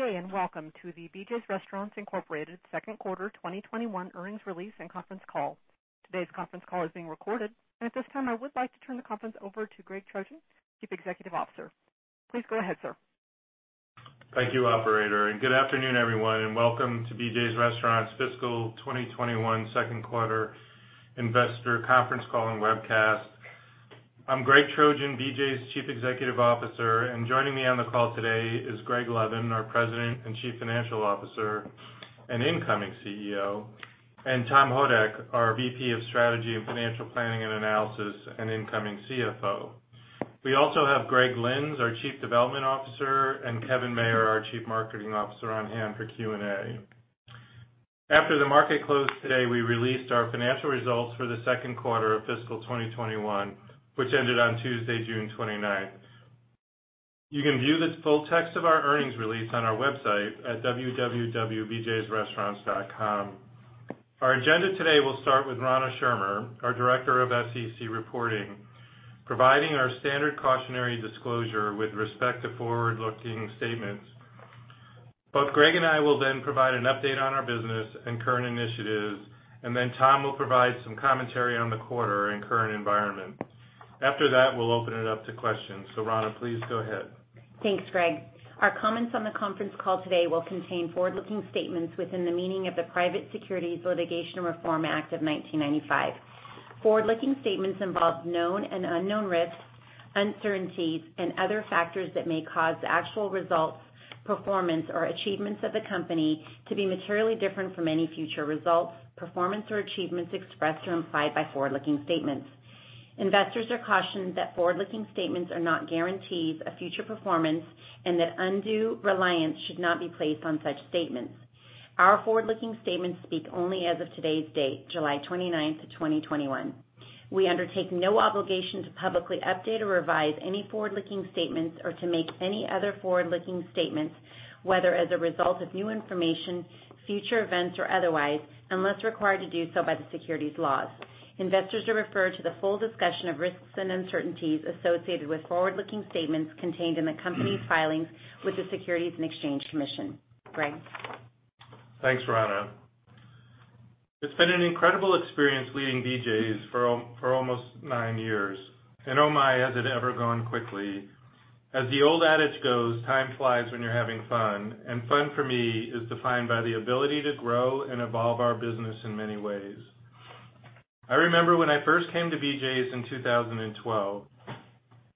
Good day, and welcome to the BJ's Restaurants Incorporated second quarter 2021 earnings release and conference call. Today's conference call is being recorded, and at this time, I would like to turn the conference over to Greg Trojan, Chief Executive Officer. Please go ahead, sir. Thank you, operator. Good afternoon, everyone, and welcome to BJ's Restaurants fiscal 2021 second quarter investor conference call and webcast. I'm Greg Trojan, BJ's Chief Executive Officer, and joining me on the call today is Greg Levin, our President and Chief Financial Officer and incoming CEO, and Tom A. Houdek, our VP of Strategy and Financial Planning and Analysis and incoming CFO. We also have Greg Lynds, our Chief Development Officer, and Kevin Mayer, our Chief Marketing Officer, on hand for Q&A. After the market closed today, we released our financial results for the second quarter of fiscal 2021, which ended on Tuesday, June 29th. You can view the full text of our earnings release on our website at www.bjsrestaurants.com. Our agenda today will start with Rana Schirmer, our Director of SEC Reporting, providing our standard cautionary disclosure with respect to forward-looking statements. Both Greg and I will then provide an update on our business and current initiatives, and then Tom will provide some commentary on the quarter and current environment. After that, we'll open it up to questions. Rana, please go ahead. Thanks, Greg. Our comments on the conference call today will contain forward-looking statements within the meaning of the Private Securities Litigation Reform Act of 1995. Forward-looking statements involve known and unknown risks, uncertainties, and other factors that may cause the actual results, performance, or achievements of the company to be materially different from any future results, performance, or achievements expressed or implied by forward-looking statements. Investors are cautioned that forward-looking statements are not guarantees of future performance and that undue reliance should not be placed on such statements. Our forward-looking statements speak only as of today's date, July 29th, 2021. We undertake no obligation to publicly update or revise any forward-looking statements or to make any other forward-looking statements, whether as a result of new information, future events, or otherwise, unless required to do so by the securities laws. Investors are referred to the full discussion of risks and uncertainties associated with forward-looking statements contained in the company's filings with the Securities and Exchange Commission. Greg. Thanks, Rana. It's been an incredible experience leading BJ's for almost nine years, and oh my, has it ever gone quickly. As the old adage goes, time flies when you're having fun, and fun for me is defined by the ability to grow and evolve our business in many ways. I remember when I first came to BJ's in 2012.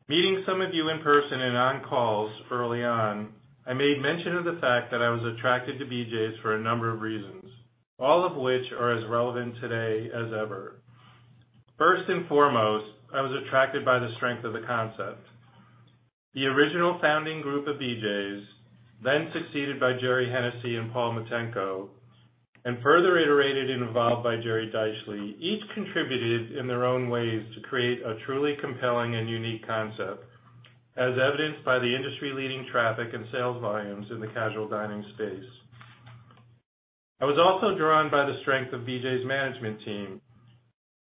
Meeting some of you in person and on calls early on, I made mention of the fact that I was attracted to BJ's for a number of reasons, all of which are as relevant today as ever. First and foremost, I was attracted by the strength of the concept. The original founding group of BJ's, then succeeded by Jerry Hennessy and Paul Motenko, and further iterated and evolved by Jerry Deitchle, each contributed in their own ways to create a truly compelling and unique concept, as evidenced by the industry-leading traffic and sales volumes in the casual dining space. I was also drawn by the strength of BJ's management team.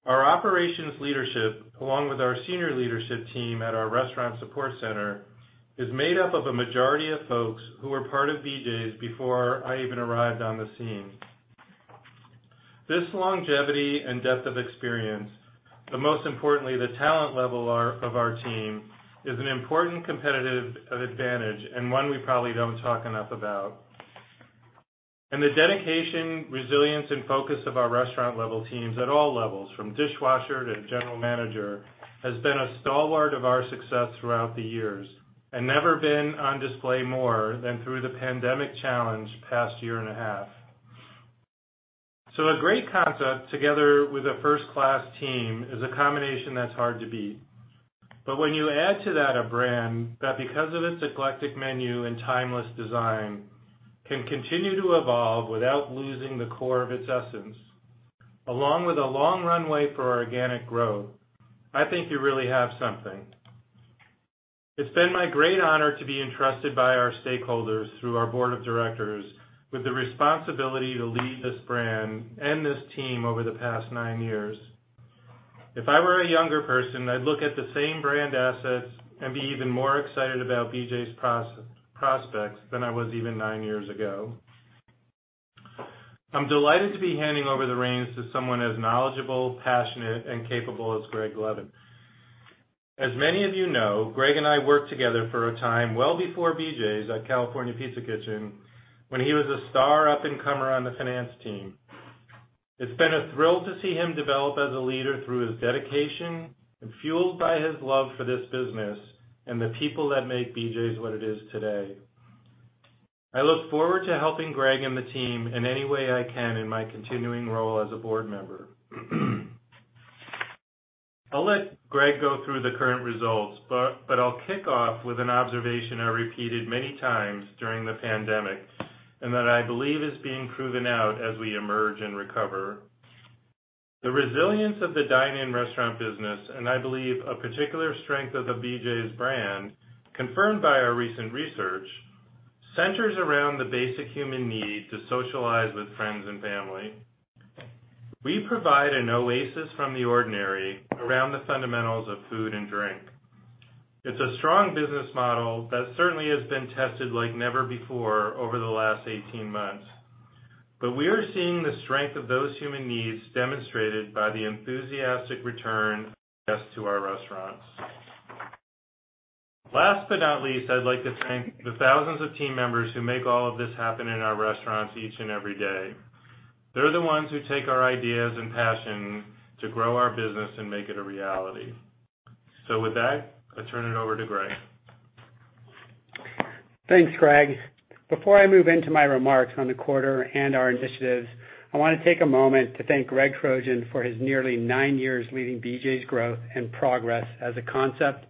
Our operations leadership, along with our senior leadership team at our restaurant support center, is made up of a majority of folks who were part of BJ's before I even arrived on the scene. This longevity and depth of experience, but most importantly, the talent level of our team is an important competitive advantage and one we probably don't talk enough about. The dedication, resilience, and focus of our restaurant-level teams at all levels, from dishwasher to general manager, has been a stalwart of our success throughout the years and never been on display more than through the pandemic challenge the past year and a half. A great concept together with a first-class team is a combination that's hard to beat. When you add to that a brand that, because of its eclectic menu and timeless design, can continue to evolve without losing the core of its essence, along with a long runway for organic growth, I think you really have something. It's been my great honor to be entrusted by our stakeholders through our board of directors with the responsibility to lead this brand and this team over the past nine years. If I were a younger person, I'd look at the same brand assets and be even more excited about BJ's prospects than I was even nine years ago. I'm delighted to be handing over the reins to someone as knowledgeable, passionate, and capable as Greg Levin. As many of you know, Greg and I worked together for a time well before BJ's at California Pizza Kitchen when he was a star up-and-comer on the finance team. It's been a thrill to see him develop as a leader through his dedication and fueled by his love for this business and the people that make BJ's what it is today. I look forward to helping Greg and the team in any way I can in my continuing role as a board member. I'll let Greg go through the current results, but I'll kick off with an observation I repeated many times during the pandemic and that I believe is being proven out as we emerge and recover. The resilience of the dine-in restaurant business, and I believe a particular strength of the BJ's brand, confirmed by our recent research, centers around the basic human need to socialize with friends and family. We provide an oasis from the ordinary around the fundamentals of food and drink. It's a strong business model that certainly has been tested like never before over the last 18 months. We are seeing the strength of those human needs demonstrated by the enthusiastic return of guests to our restaurants. Last but not least, I'd like to thank the thousands of team members who make all of this happen in our restaurants each and every day. They're the ones who take our ideas and passion to grow our business and make it a reality. With that, I'll turn it over to Greg. Thanks, Greg. Before I move into my remarks on the quarter and our initiatives, I want to take a moment to thank Greg Trojan for his nearly nine years leading BJ's growth and progress as a concept,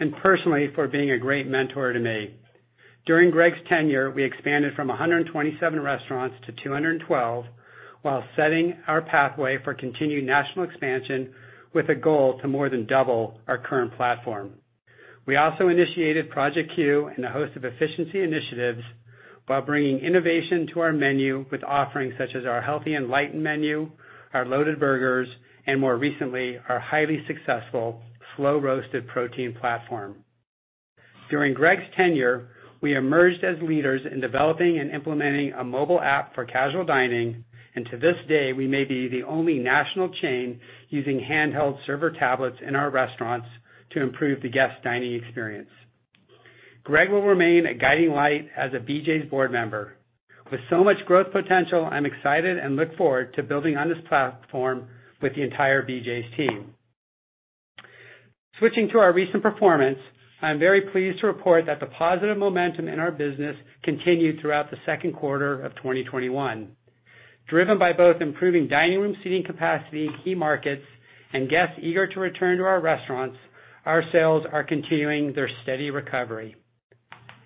and personally for being a great mentor to me. During Greg's tenure, we expanded from 127 restaurants to 212 while setting our pathway for continued national expansion with a goal to more than double our current platform. We also initiated Project Q and a host of efficiency initiatives while bringing innovation to our menu with offerings such as our healthy Enlightened Entrees, our loaded burgers, and more recently, our highly successful slow-roasted protein platform. During Greg's tenure, we emerged as leaders in developing and implementing a mobile app for casual dining. To this day, we may be the only national chain using handheld server tablets in our restaurants to improve the guest dining experience. Greg will remain a guiding light as a BJ's board member. With so much growth potential, I'm excited and look forward to building on this platform with the entire BJ's team. Switching to our recent performance, I am very pleased to report that the positive momentum in our business continued throughout the second quarter of 2021. Driven by both improving dining room seating capacity in key markets and guests eager to return to our restaurants, our sales are continuing their steady recovery.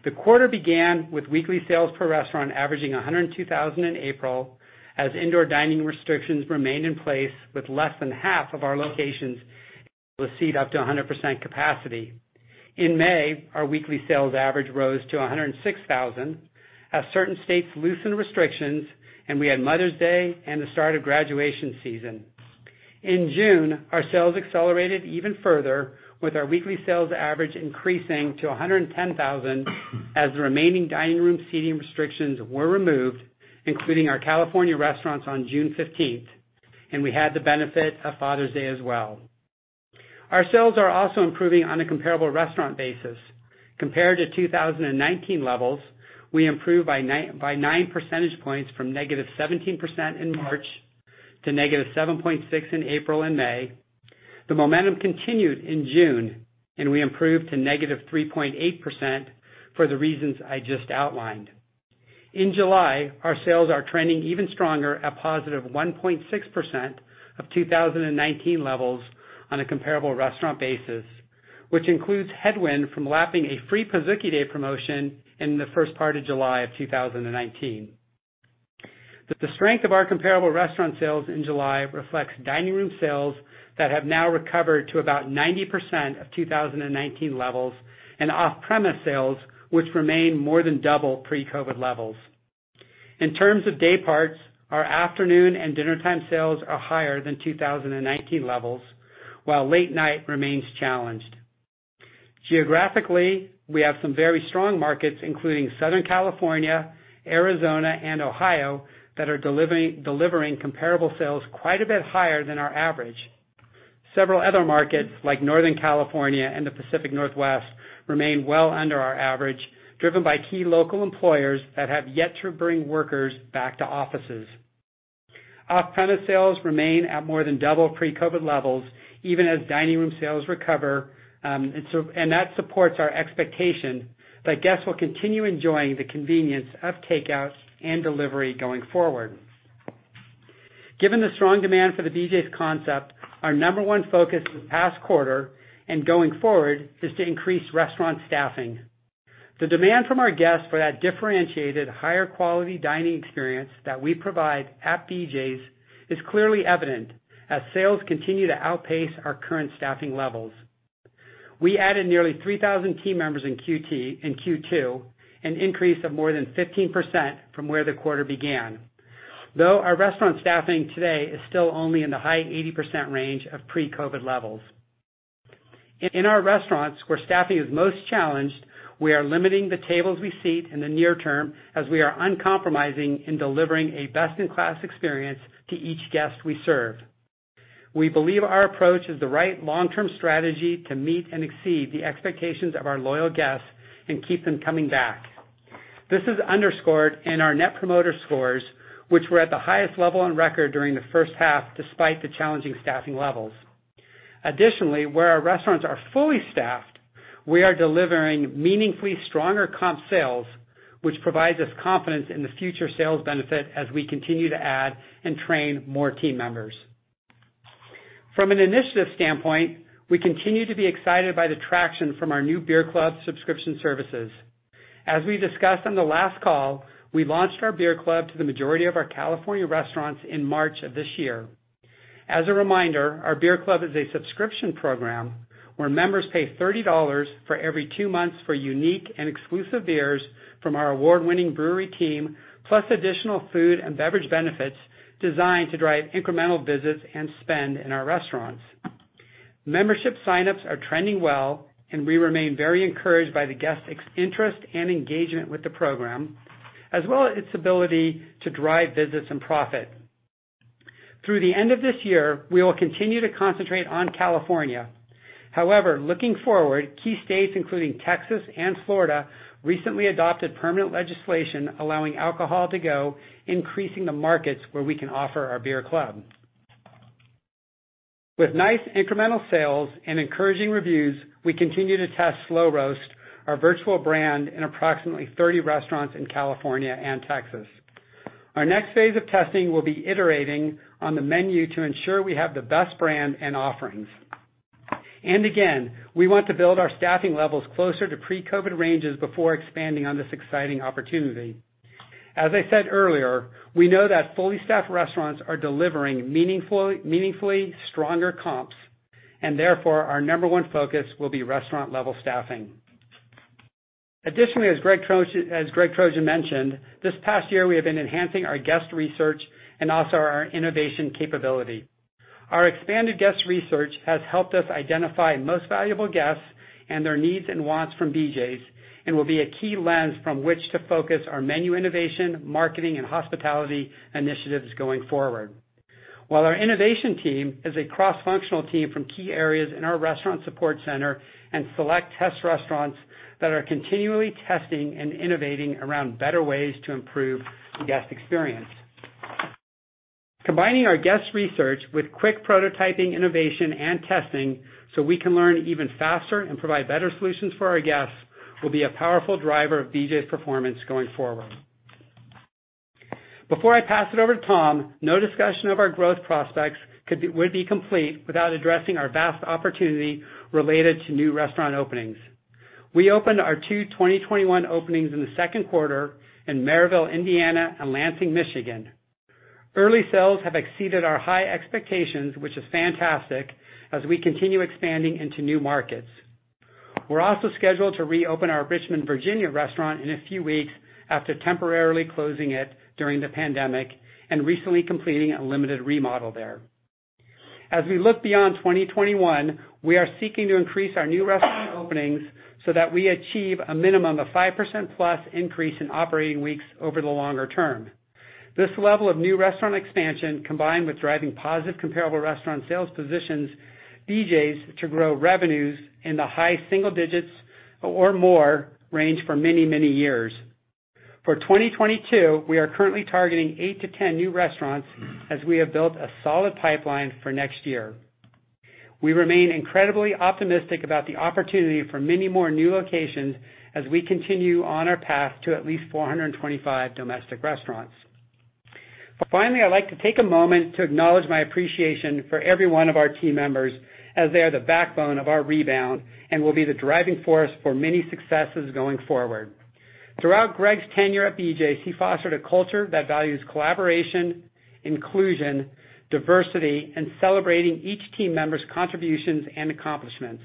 The quarter began with weekly sales per restaurant averaging $102,000 in April, as indoor dining restrictions remained in place with less than half of our locations able to seat up to 100% capacity. In May, our weekly sales average rose to $106,000 as certain states loosened restrictions and we had Mother's Day and the start of graduation season. In June, our sales accelerated even further with our weekly sales average increasing to $110,000 as the remaining dining room seating restrictions were removed, including our California restaurants on June 15th, and we had the benefit of Father's Day as well. Our sales are also improving on a comparable restaurant basis. Compared to 2019 levels, we improved by 9 percentage points from -17% in March to -7.6% in April and May. The momentum continued in June, and we improved to -3.8% for the reasons I just outlined. In July, our sales are trending even stronger at positive 1.6% of 2019 levels on a comparable restaurant basis, which includes headwind from lapping a free Pizookie Day promotion in the first part of July of 2019. The strength of our comparable restaurant sales in July reflects dining room sales that have now recovered to about 90% of 2019 levels and off-premise sales, which remain more than double pre-COVID levels. In terms of day parts, our afternoon and dinnertime sales are higher than 2019 levels, while late-night remains challenged. Geographically, we have some very strong markets, including Southern California, Arizona, and Ohio, that are delivering comparable sales quite a bit higher than our average. Several other markets, like Northern California and the Pacific Northwest, remain well under our average, driven by key local employers that have yet to bring workers back to offices. Off-premise sales remain at more than double pre-COVID levels, even as dining room sales recover. That supports our expectation that guests will continue enjoying the convenience of takeout and delivery going forward. Given the strong demand for the BJ's concept, our number one focus this past quarter and going forward is to increase restaurant staffing. The demand from our guests for that differentiated, higher quality dining experience that we provide at BJ's is clearly evident as sales continue to outpace our current staffing levels. We added nearly 3,000 team members in Q2, an increase of more than 15% from where the quarter began. Though our restaurant staffing today is still only in the high 80% range of pre-COVID levels. In our restaurants where staffing is most challenged, we are limiting the tables we seat in the near term as we are uncompromising in delivering a best-in-class experience to each guest we serve. We believe our approach is the right long-term strategy to meet and exceed the expectations of our loyal guests and keep them coming back. This is underscored in our Net Promoter Scores, which were at the highest level on record during the first half despite the challenging staffing levels. Additionally, where our restaurants are fully staffed, we are delivering meaningfully stronger comp sales, which provides us confidence in the future sales benefit as we continue to add and train more team members. From an initiative standpoint, we continue to be excited by the traction from our new BJ's Brewhouse Beer Club subscription services. As we discussed on the last call, we launched our BJ's Brewhouse Beer Club to the majority of our California restaurants in March of this year. As a reminder, our BJ's Brewhouse Beer Club is a subscription program where members pay $30 for every two months for unique and exclusive beers from our award-winning brewery team, plus additional food and beverage benefits designed to drive incremental visits and spend in our restaurants. Membership sign-ups are trending well. We remain very encouraged by the guests' interest and engagement with the program, as well as its ability to drive visits and profit. Through the end of this year, we will continue to concentrate on California. However, looking forward, key states, including Texas and Florida, recently adopted permanent legislation allowing alcohol to go, increasing the markets where we can offer our BJ's Brewhouse Beer Club. With nice incremental sales and encouraging reviews, we continue to test Slow Roast, our virtual brand, in approximately 30 restaurants in California and Texas. Our next phase of testing will be iterating on the menu to ensure we have the best brand and offerings. Again, we want to build our staffing levels closer to pre-COVID ranges before expanding on this exciting opportunity. As I said earlier, we know that fully staffed restaurants are delivering meaningfully stronger comps, and therefore, our number one focus will be restaurant-level staffing. Additionally, as Greg Trojan mentioned, this past year, we have been enhancing our guest research and also our innovation capability. Our expanded guest research has helped us identify most valuable guests and their needs and wants from BJ's, and will be a key lens from which to focus our menu innovation, marketing, and hospitality initiatives going forward. Our innovation team is a cross-functional team from key areas in our restaurant support center and select test restaurants that are continually testing and innovating around better ways to improve the guest experience. Combining our guest research with quick prototyping, innovation, and testing so we can learn even faster and provide better solutions for our guests will be a powerful driver of BJ's performance going forward. Before I pass it over to Tom, no discussion of our growth prospects would be complete without addressing our vast opportunity related to new restaurant openings. We opened our two 2021 openings in the second quarter in Merrillville, Indiana and Lansing, Michigan. Early sales have exceeded our high expectations, which is fantastic, as we continue expanding into new markets. We're also scheduled to reopen our Richmond, Virginia restaurant in a few weeks after temporarily closing it during the pandemic and recently completing a limited remodel there. As we look beyond 2021, we are seeking to increase our new restaurant openings so that we achieve a minimum of 5%+ increase in operating weeks over the longer term. This level of new restaurant expansion, combined with driving positive comparable restaurant sales positions, BJ's to grow revenues in the high single digits or more range for many, many years. For 2022, we are currently targeting 8-10 new restaurants as we have built a solid pipeline for next year. We remain incredibly optimistic about the opportunity for many more new locations as we continue on our path to at least 425 domestic restaurants. Finally, I'd like to take a moment to acknowledge my appreciation for every one of our team members as they are the backbone of our rebound and will be the driving force for many successes going forward. Throughout Greg's tenure at BJ's, he fostered a culture that values collaboration, inclusion, diversity, and celebrating each team member's contributions and accomplishments.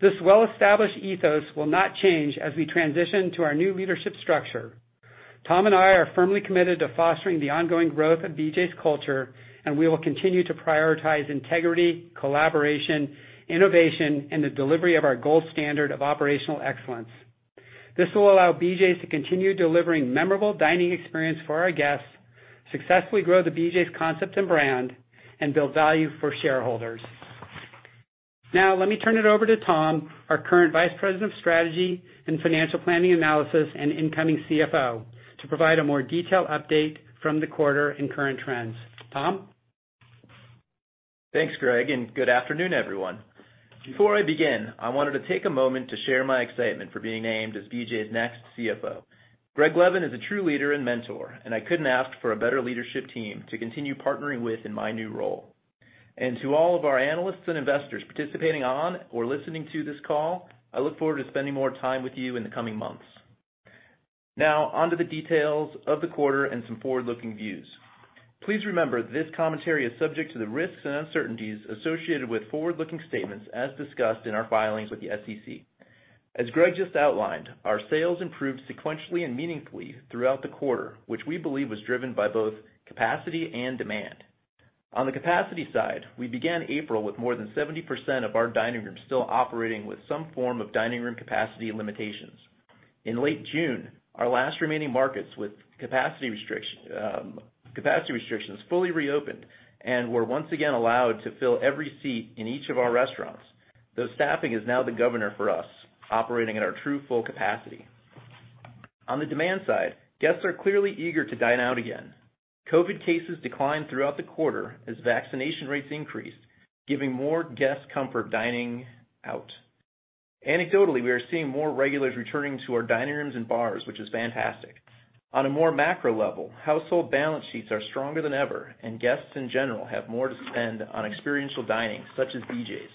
This well-established ethos will not change as we transition to our new leadership structure. Tom and I are firmly committed to fostering the ongoing growth of BJ's culture, and we will continue to prioritize integrity, collaboration, innovation, and the delivery of our gold standard of operational excellence. This will allow BJ's to continue delivering memorable dining experience for our guests, successfully grow the BJ's concept and brand, and build value for shareholders. Let me turn it over to Tom, our current Vice President of Strategy and Financial Planning and Analysis and incoming CFO, to provide a more detailed update from the quarter and current trends. Tom? Thanks, Greg. Good afternoon, everyone. Before I begin, I wanted to take a moment to share my excitement for being named as BJ's next CFO. Greg Levin is a true leader and mentor, and I couldn't ask for a better leadership team to continue partnering with in my new role. To all of our analysts and investors participating on or listening to this call, I look forward to spending more time with you in the coming months. Now, onto the details of the quarter and some forward-looking views. Please remember that this commentary is subject to the risks and uncertainties associated with forward-looking statements as discussed in our filings with the SEC. As Greg just outlined, our sales improved sequentially and meaningfully throughout the quarter, which we believe was driven by both capacity and demand. On the capacity side, we began April with more than 70% of our dining rooms still operating with some form of dining room capacity limitations. In late June, our last remaining markets with capacity restrictions fully reopened and were once again allowed to fill every seat in each of our restaurants, though staffing is now the governor for us operating at our true full capacity. On the demand side, guests are clearly eager to dine out again. COVID cases declined throughout the quarter as vaccination rates increased, giving more guests comfort dining out. Anecdotally, we are seeing more regulars returning to our dining rooms and bars, which is fantastic. On a more macro level, household balance sheets are stronger than ever. Guests in general have more to spend on experiential dining such as BJ's.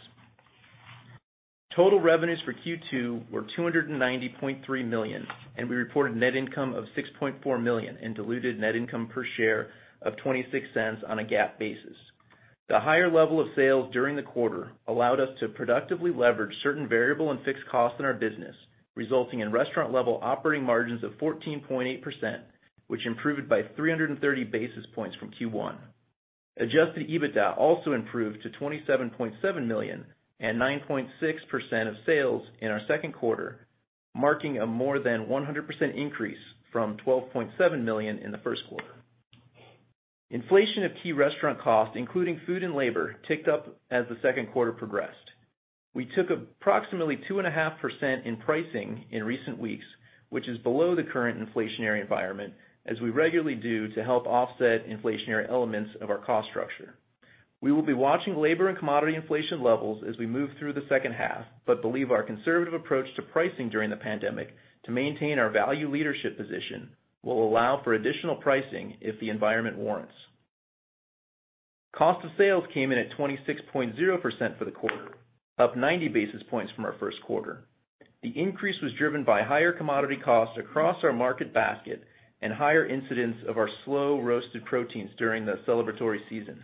Total revenues for Q2 were $290.3 million. We reported net income of $6.4 million and diluted net income per share of $0.26 on a GAAP basis. The higher level of sales during the quarter allowed us to productively leverage certain variable and fixed costs in our business, resulting in restaurant level operating margins of 14.8%, which improved by 330 basis points from Q1. Adjusted EBITDA also improved to $27.7 million and 9.6% of sales in our second quarter, marking a more than 100% increase from $12.7 million in the first quarter. Inflation of key restaurant costs, including food and labor, ticked up as the second quarter progressed. We took approximately 2.5% in pricing in recent weeks, which is below the current inflationary environment, as we regularly do to help offset inflationary elements of our cost structure. We will be watching labor and commodity inflation levels as we move through the second half, but believe our conservative approach to pricing during the pandemic to maintain our value leadership position will allow for additional pricing if the environment warrants. Cost of sales came in at 26.0% for the quarter, up 90 basis points from our first quarter. The increase was driven by higher commodity costs across our market basket and higher incidents of our slow-roasted proteins during the celebratory season.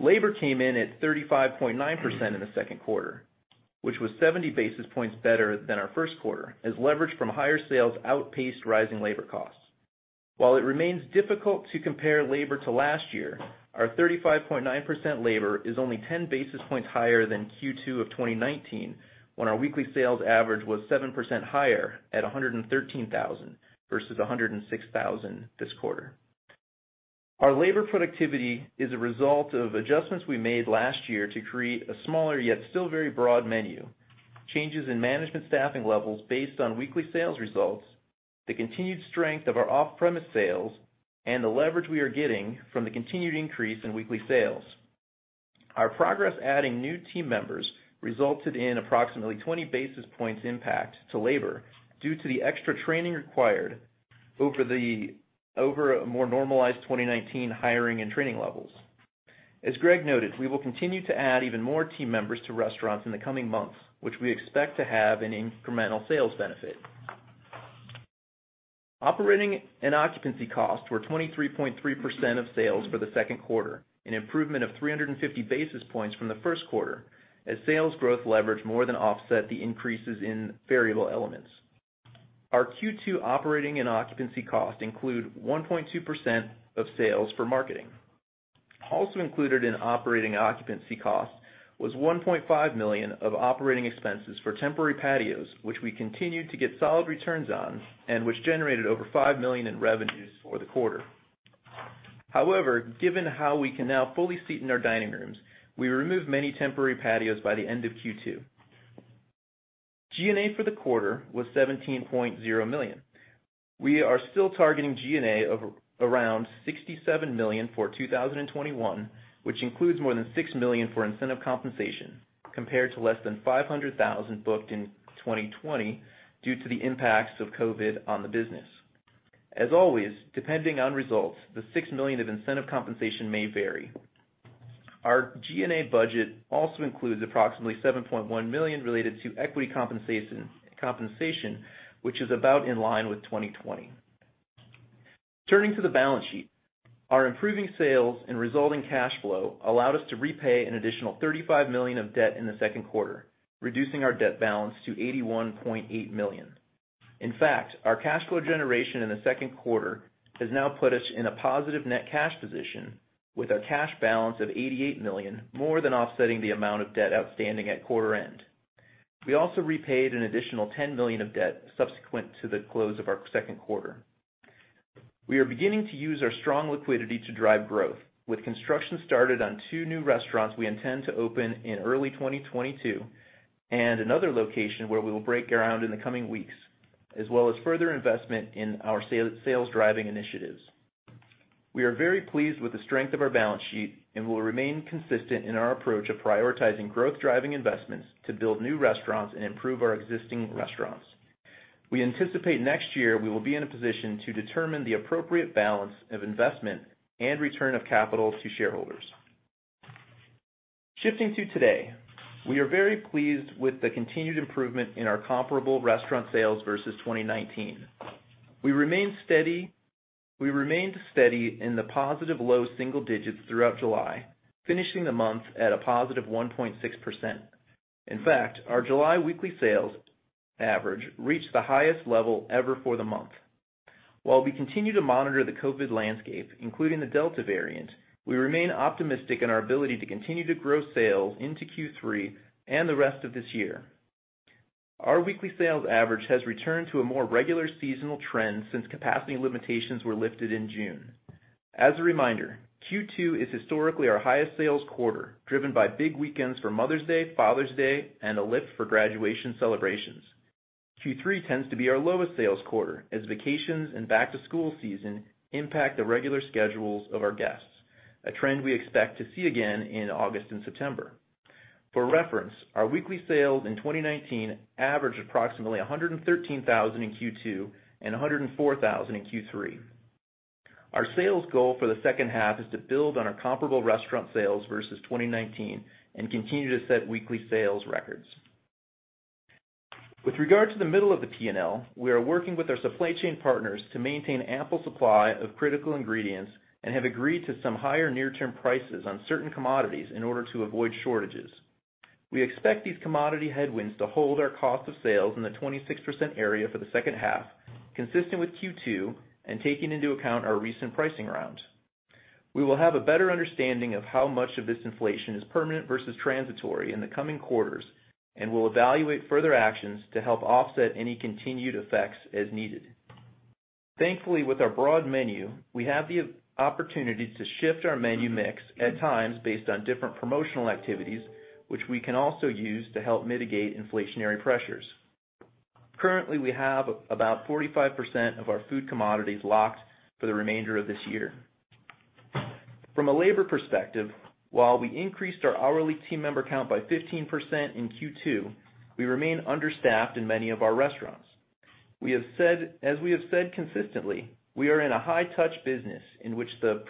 Labor came in at 35.9% in the second quarter, which was 70 basis points better than our first quarter, as leverage from higher sales outpaced rising labor costs. While it remains difficult to compare labor to last year, our 35.9% labor is only 10 basis points higher than Q2 of 2019, when our weekly sales average was 7% higher at $113,000 versus $106,000 this quarter. Our labor productivity is a result of adjustments we made last year to create a smaller, yet still very broad menu. Changes in management staffing levels based on weekly sales results, the continued strength of our off-premise sales, and the leverage we are getting from the continued increase in weekly sales. Our progress adding new team members resulted in approximately 20 basis points impact to labor due to the extra training required over a more normalized 2019 hiring and training levels. As Greg noted, we will continue to add even more team members to restaurants in the coming months, which we expect to have an incremental sales benefit. Operating and occupancy costs were 23.3% of sales for the second quarter, an improvement of 350 basis points from the first quarter as sales growth leverage more than offset the increases in variable elements. Our Q2 operating and occupancy costs include 1.2% of sales for marketing. Also included in operating occupancy costs was $1.5 million of operating expenses for temporary patios, which we continued to get solid returns on and which generated over $5 million in revenues for the quarter. Given how we can now fully seat in our dining rooms, we removed many temporary patios by the end of Q2. G&A for the quarter was $17.0 million. We are still targeting G&A of around $67 million for 2021, which includes more than $6 million for incentive compensation compared to less than $500,000 booked in 2020 due to the impacts of COVID on the business. As always, depending on results, the $6 million of incentive compensation may vary. Our G&A budget also includes approximately $7.1 million related to equity compensation, which is about in line with 2020. Turning to the balance sheet, our improving sales and resulting cash flow allowed us to repay an additional $35 million of debt in the second quarter, reducing our debt balance to $81.8 million. In fact, our cash flow generation in the second quarter has now put us in a positive net cash position with a cash balance of $88 million, more than offsetting the amount of debt outstanding at quarter end. We also repaid an additional $10 million of debt subsequent to the close of our second quarter. We are beginning to use our strong liquidity to drive growth. With construction started on two new restaurants we intend to open in early 2022 and another location where we will break ground in the coming weeks, as well as further investment in our sales-driving initiatives. We are very pleased with the strength of our balance sheet and will remain consistent in our approach of prioritizing growth-driving investments to build new restaurants and improve our existing restaurants. We anticipate next year we will be in a position to determine the appropriate balance of investment and return of capital to shareholders. Shifting to today, we are very pleased with the continued improvement in our comparable restaurant sales versus 2019. We remained steady in the positive low double digits throughout July, finishing the month at a positive 1.6%. In fact, our July weekly sales average reached the highest level ever for the month. While we continue to monitor the COVID landscape, including the Delta variant, we remain optimistic in our ability to continue to grow sales into Q3 and the rest of this year. Our weekly sales average has returned to a more regular seasonal trend since capacity limitations were lifted in June. As a reminder, Q2 is historically our highest sales quarter, driven by big weekends for Mother's Day, Father's Day, and a lift for graduation celebrations. Q3 tends to be our lowest sales quarter as vacations and back-to-school season impact the regular schedules of our guests, a trend we expect to see again in August and September. For reference, our weekly sales in 2019 averaged approximately $113,000 in Q2 and $104,000 in Q3. Our sales goal for the second half is to build on our comparable restaurant sales versus 2019 and continue to set weekly sales records. With regard to the middle of the P&L, we are working with our supply chain partners to maintain ample supply of critical ingredients and have agreed to some higher near-term prices on certain commodities in order to avoid shortages. We expect these commodity headwinds to hold our cost of sales in the 26% area for the second half, consistent with Q2, and taking into account our recent pricing round. We will have a better understanding of how much of this inflation is permanent versus transitory in the coming quarters and will evaluate further actions to help offset any continued effects as needed. Thankfully, with our broad menu, we have the opportunity to shift our menu mix at times based on different promotional activities, which we can also use to help mitigate inflationary pressures. Currently, we have about 45% of our food commodities locked for the remainder of this year. From a labor perspective, while we increased our hourly team member count by 15% in Q2, we remain understaffed in many of our restaurants. As we have said consistently, we are in a high-touch business in which the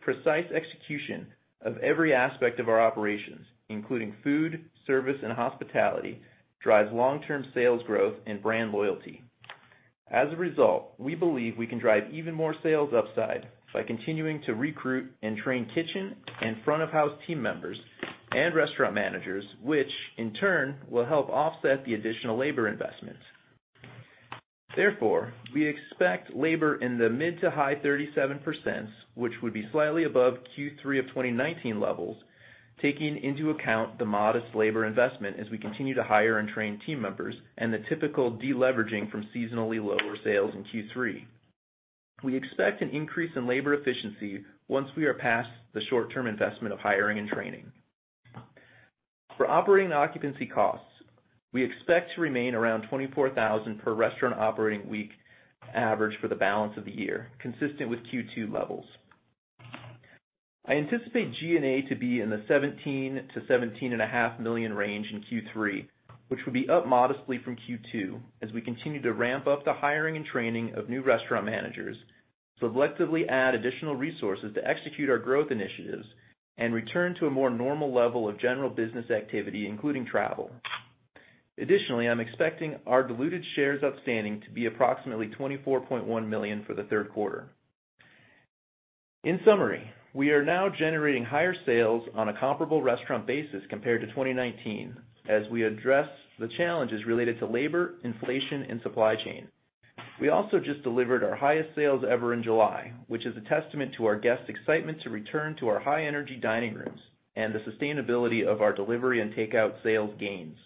precise execution of every aspect of our operations, including food, service, and hospitality, drives long-term sales growth and brand loyalty. As a result, we believe we can drive even more sales upside by continuing to recruit and train kitchen and front-of-house team members and restaurant managers, which in turn will help offset the additional labor investment. Therefore, we expect labor in the mid to high 37%, which would be slightly above Q3 of 2019 levels, taking into account the modest labor investment as we continue to hire and train team members and the typical de-leveraging from seasonally lower sales in Q3. We expect an increase in labor efficiency once we are past the short-term investment of hiring and training. For operating occupancy costs, we expect to remain around $24,000 per restaurant operating week average for the balance of the year, consistent with Q2 levels. I anticipate G&A to be in the $17 million-$17.5 million range in Q3, which would be up modestly from Q2 as we continue to ramp up the hiring and training of new restaurant managers, selectively add additional resources to execute our growth initiatives, and return to a more normal level of general business activity, including travel. Additionally, I'm expecting our diluted shares outstanding to be approximately $24.1 million for the third quarter. In summary, we are now generating higher sales on a comparable restaurant basis compared to 2019 as we address the challenges related to labor, inflation, and supply chain. We also just delivered our highest sales ever in July, which is a testament to our guests excitement to return to our high-energy dining rooms and the sustainability of our delivery and takeout sales gains.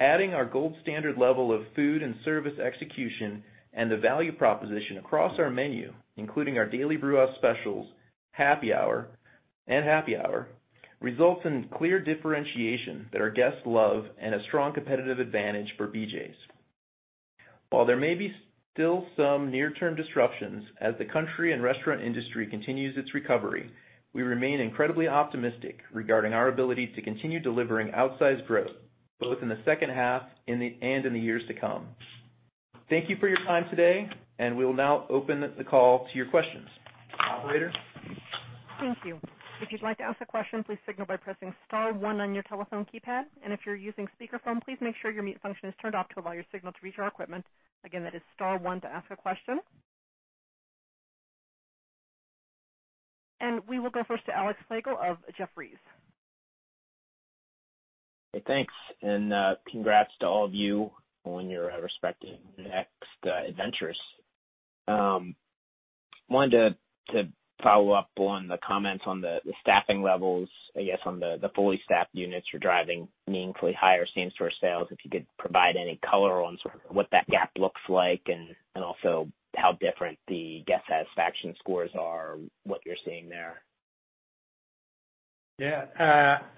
Adding our gold standard level of food and service execution and the value proposition across our menu, including our Daily Brewhouse Specials and Happy Hour, results in clear differentiation that our guests love and a strong competitive advantage for BJ's. While there may be still some near-term disruptions as the country and restaurant industry continues its recovery, we remain incredibly optimistic regarding our ability to continue delivering outsized growth, both in the second half and in the years to come. Thank you for your time today, and we will now open the call to your questions. Operator? Thank you. If you'd like to ask a question, please signal by pressing star one on your telephone keypad. If you're using speakerphone, please make sure your mute function is turned off to allow your signal to reach our equipment. Again, that is star one to ask a question. We will go first to Alex Slagle of Jefferies. Hey, thanks, and congrats to all of you on your respective next adventures. Wanted to follow up on the comments on the staffing levels. I guess on the fully staffed units, you're driving meaningfully higher same-store sales. If you could provide any color on sort of what that gap looks like and also how different the guest satisfaction scores are, what you're seeing there. Yeah.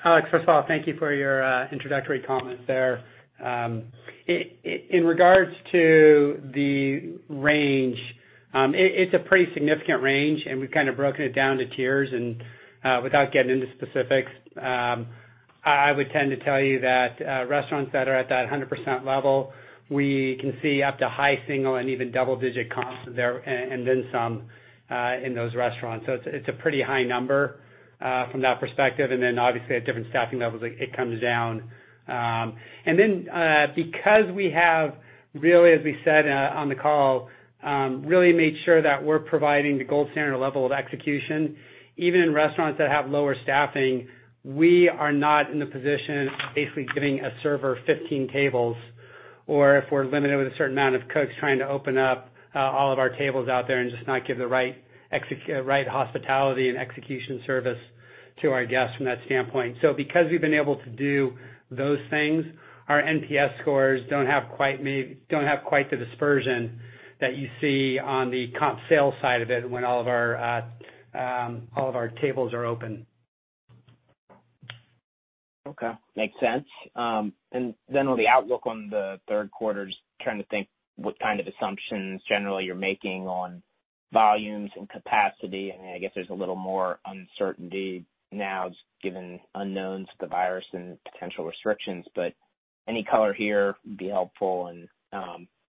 Alex Slagle, first of all, thank you for your introductory comments there. In regards to the range, it's a pretty significant range, and we've kind of broken it down to tiers. Without getting into specifics, I would tend to tell you that restaurants that are at that 100% level, we can see up to high single and even double-digit comps there and then some in those restaurants. It's a pretty high number from that perspective, and then obviously at different staffing levels, it comes down. Because we have really, as we said on the call, really made sure that we're providing the gold standard level of execution, even in restaurants that have lower staffing, we are not in the position of basically giving a server 15 tables, or if we're limited with a certain amount of cooks trying to open up all of our tables out there and just not give the right hospitality and execution service to our guests from that standpoint. Because we've been able to do those things, our NPS scores don't have quite the dispersion that you see on the comp sales side of it when all of our tables are open. Okay. Makes sense. On the outlook on the third quarter, just trying to think what kind of assumptions generally you're making on volumes and capacity, and I guess there's a little more uncertainty now given unknowns with the virus and potential restrictions, but any color here would be helpful,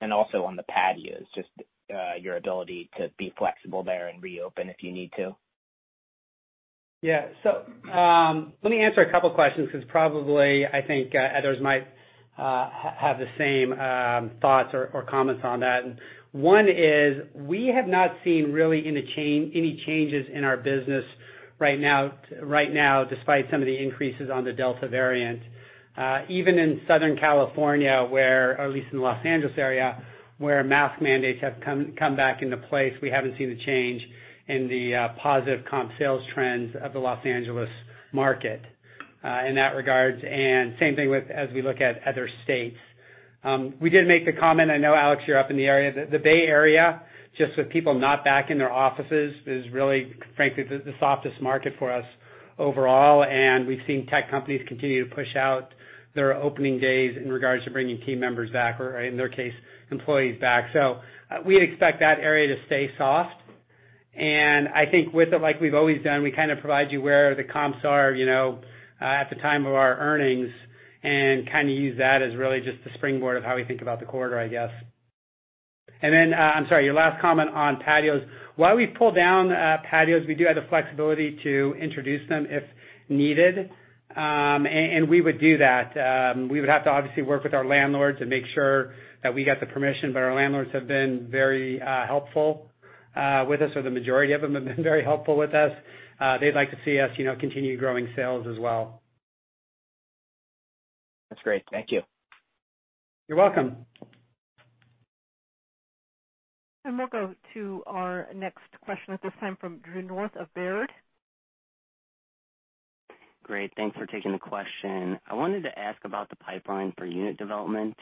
and also on the patios, just your ability to be flexible there and reopen if you need to? Yeah. Let me answer a couple of questions, because probably I think others might have the same thoughts or comments on that. One is we have not seen really any changes in our business right now, despite some of the increases on the Delta variant. Even in Southern California, or at least in the Los Angeles area, where mask mandates have come back into place, we haven't seen the change in the positive comp sales trends of the Los Angeles market in that regard. Same thing as we look at other states. We did make the comment, I know, Alex, you're up in the area. The Bay Area, just with people not back in their offices, is really, frankly, the softest market for us overall, and we've seen tech companies continue to push out their opening days in regards to bringing team members back or in their case, employees back. We expect that area to stay soft, and I think with it, like we've always done, we provide you where the comps are at the time of our earnings and use that as really just the springboard of how we think about the corridor, I guess. I'm sorry, your last comment on patios. While we pull down patios, we do have the flexibility to introduce them if needed, and we would do that. We would have to obviously work with our landlords and make sure that we get the permission. Our landlords have been very helpful with us, or the majority of them have been very helpful with us. They'd like to see us continue growing sales as well. That's great. Thank you. You're welcome. We'll go to our next question, this time from Drew North of Baird. Great. Thanks for taking the question. I wanted to ask about the pipeline for unit development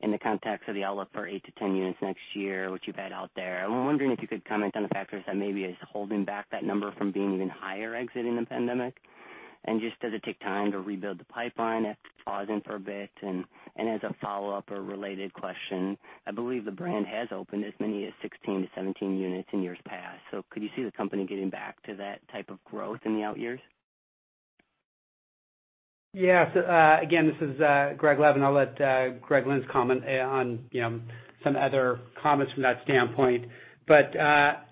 in the context of the outlook for 8-10 units next year, which you've had out there. I'm wondering if you could comment on the factors that maybe is holding back that number from being even higher exiting the pandemic. Does it take time to rebuild the pipeline after pausing for a bit? As a follow-up or related question, I believe the brand has opened as many as 16-17 units in years past. Could you see the company getting back to that type of growth in the out years? Again, this is Greg Levin. I'll let Greg Lynds comment on some other comments from that standpoint.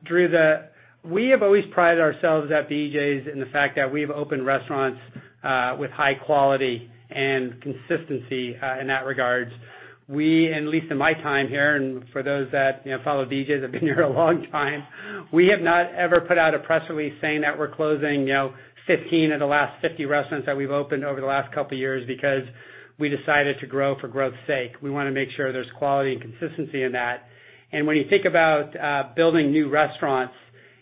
Drew North, we have always prided ourselves at BJ's in the fact that we've opened restaurants with high quality and consistency in that regards. At least in my time here, and for those that follow BJ's have been here a long time, we have not ever put out a press release saying that we're closing 15 of the last 50 restaurants that we've opened over the last couple of years because we decided to grow for growth's sake. We want to make sure there's quality and consistency in that. When you think about building new restaurants,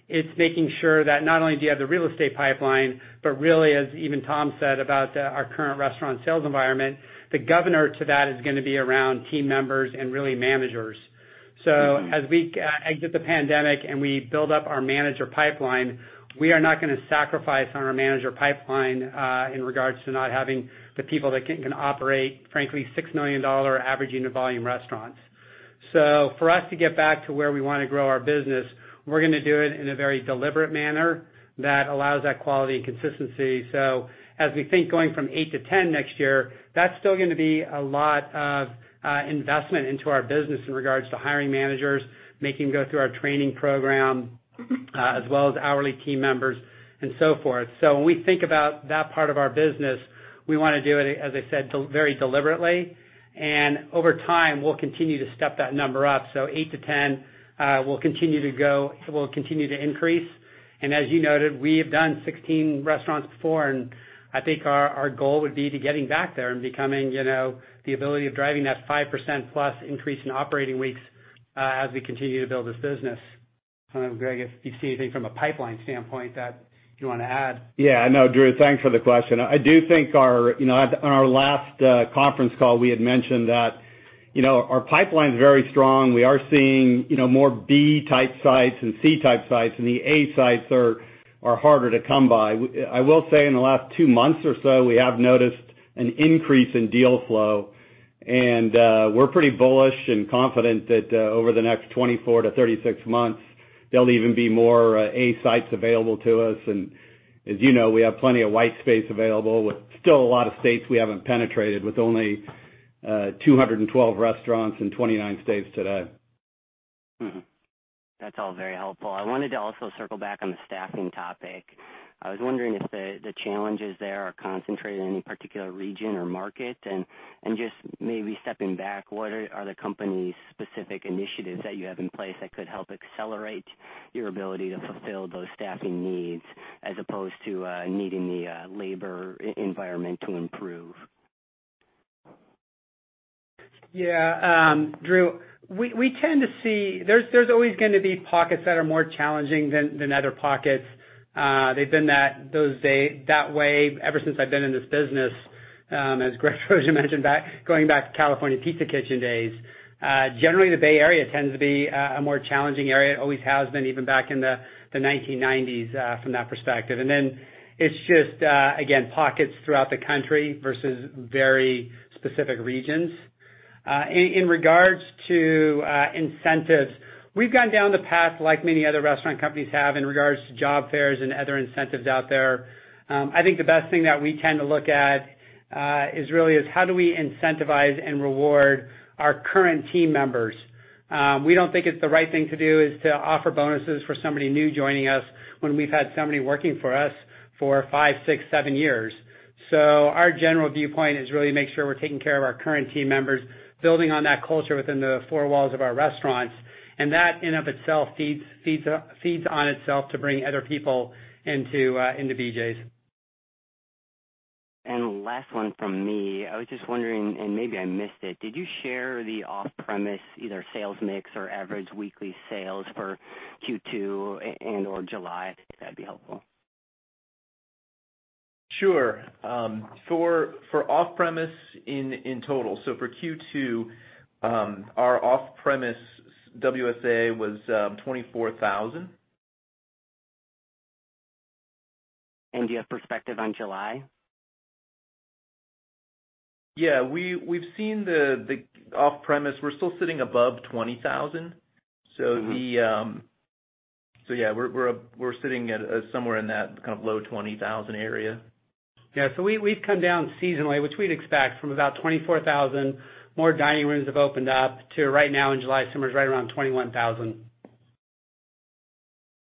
it's making sure that not only do you have the real estate pipeline, but really, as even Tom said about our current restaurant sales environment, the governor to that is going to be around team members and really managers. As we exit the pandemic and we build up our manager pipeline, we are not going to sacrifice on our manager pipeline in regards to not having the people that can operate, frankly, $6 million average unit volume restaurants. For us to get back to where we want to grow our business, we're going to do it in a very deliberate manner that allows that quality and consistency. As we think going from 8-10 next year, that's still going to be a lot of investment into our business in regards to hiring managers, making them go through our training program, as well as hourly team members and so forth. When we think about that part of our business, we want to do it, as I said, very deliberately, and over time, we'll continue to step that number up. 8-10 will continue to increase. As you noted, we have done 16 restaurants before, and I think our goal would be to getting back there and becoming the ability of driving that 5%+ increase in operating weeks as we continue to build this business. I don't know, Greg, if you see anything from a pipeline standpoint that you want to add? Yeah, no, Drew North, thanks for the question. I do think on our last conference call, we had mentioned that our pipeline's very strong. We are seeing more B-type sites and C-type sites. The A-type sites are harder to come by. I will say in the last two months or so, we have noticed an increase in deal flow. We're pretty bullish and confident that over the next 24-36 months, there'll even be more A sites available to us. As you know, we have plenty of white space available with still a lot of states we haven't penetrated with only 212 restaurants in 29 states today. That's all very helpful. I wanted to also circle back on the staffing topic. I was wondering if the challenges there are concentrated in any particular region or market, and just maybe stepping back, what are the company's specific initiatives that you have in place that could help accelerate your ability to fulfill those staffing needs as opposed to needing the labor environment to improve? Yeah. Drew, there's always going to be pockets that are more challenging than other pockets. They've been that way ever since I've been in this business. As Greg mentioned, going back to California Pizza Kitchen days. Generally, the Bay Area tends to be a more challenging area. It always has been, even back in the 1990s from that perspective. It's just, again, pockets throughout the country versus very specific regions. In regards to incentives, we've gone down the path like many other restaurant companies have in regards to job fairs and other incentives out there. I think the best thing that we tend to look at is really is how do we incentivize and reward our current team members? We don't think it's the right thing to do is to offer bonuses for somebody new joining us when we've had somebody working for us for five, six, seven years. Our general viewpoint is really make sure we're taking care of our current team members, building on that culture within the four walls of our restaurants. That in of itself feeds on itself to bring other people into BJ's. Last one from me, I was just wondering, and maybe I missed it. Did you share the off-premise, either sales mix or average weekly sales for Q2 and/or July? I think that'd be helpful. Sure. For off-premise in total. For Q2, our off-premise WSA was 24,000. Do you have perspective on July? Yeah. We've seen the off-premise. We're still sitting above 20,000. Yeah. We're sitting at somewhere in that kind of low 20,000 area. Yeah. We've come down seasonally, which we'd expect from about 24,000, more dining rooms have opened up to right now in July, somewhere right around 21,000.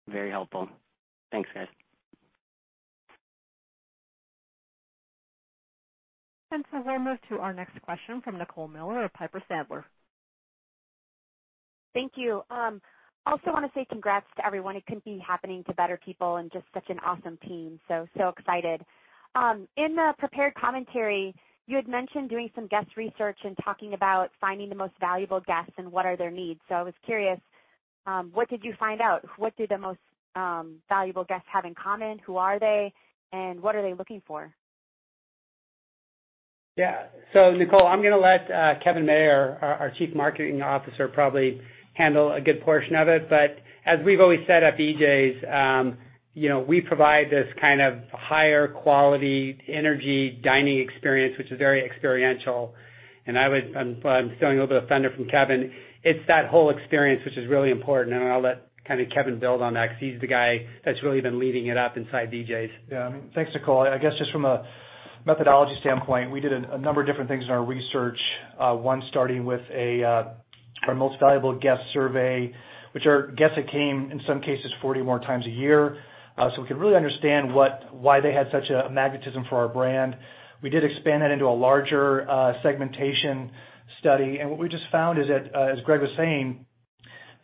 Very helpful. Thanks, guys. We'll move to our next question from Nicole Miller of Piper Sandler. Thank you. I also wanna say congrats to everyone. It couldn't be happening to better people and just such an awesome team. I am so excited. In the prepared commentary, you had mentioned doing some guest research and talking about finding the most valuable guests and what are their needs. I was curious, what did you find out? What do the most valuable guests have in common? Who are they and what are they looking for? Yeah. Nicole, I'm gonna let Kevin Mayer, our Chief Marketing Officer, probably handle a good portion of it. As we've always said at BJ's, we provide this kind of higher quality, energy dining experience, which is very experiential. I'm stealing a little bit of thunder from Kevin. It's that whole experience, which is really important, and I'll let Kevin build on that because he's the guy that's really been leading it up inside BJ's. Thanks, Nicole. I guess just from a methodology standpoint, we did a number of different things in our research. One starting with our most valuable guest survey, which are guests that came, in some cases, 40 or more times a year, so we could really understand why they had such a magnetism for our brand. We did expand that into a larger segmentation study. What we just found is that, as Greg was saying,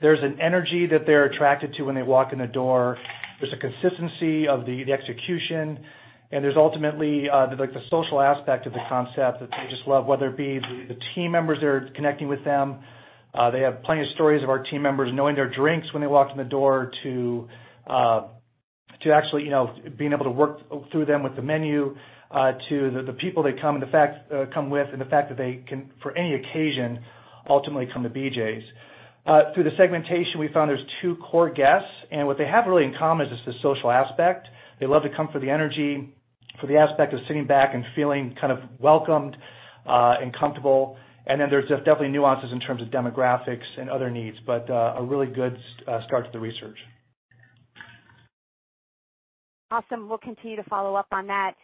there's an energy that they're attracted to when they walk in the door. There's a consistency of the execution, there's ultimately, the social aspect of the concept that they just love, whether it be the team members that are connecting with them. They have plenty of stories of our team members knowing their drinks when they walked in the door to actually being able to work through them with the menu, to the people they come with, and the fact that they can, for any occasion, ultimately come to BJ's. Through the segmentation, we found there's two core guests, and what they have really in common is just the social aspect. They love to come for the energy, for the aspect of sitting back and feeling kind of welcomed, and comfortable. There's just definitely nuances in terms of demographics and other needs, but a really good start to the research. Awesome. We will continue to follow up on that.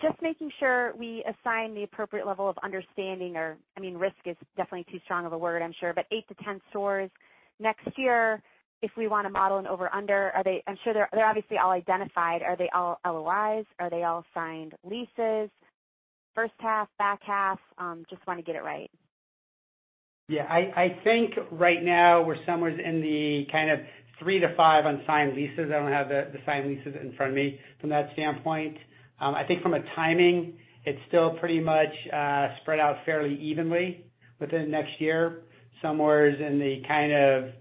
Just making sure we assign the appropriate level of understanding or, risk is definitely too strong of a word, I'm sure, but eight-10 stores next year, if we wanna model an over under. They are obviously all identified. Are they all LOIs? Are they all signed leases? First half, back half? Just wanna get it right. Yeah. I think right now we're somewhere in the kind of three to five unsigned leases. I don't have the signed leases in front of me from that standpoint. I think from a timing, it's still pretty much spread out fairly evenly within next year. Somewhere in the kind of